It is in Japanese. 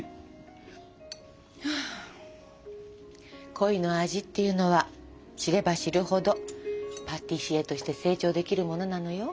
「恋の味」っていうのは知れば知るほどパティシエとして成長できるものなのよ。